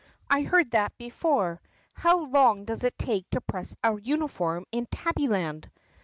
"I heard that before. How long does it take to press a uniform in Tabbyland?"